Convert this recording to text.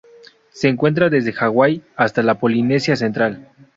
Se encuentra desde Hawaii hasta la Polinesia central.